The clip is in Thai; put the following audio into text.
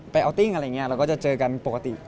อัลติ้งอะไรอย่างนี้เราก็จะเจอกันปกติ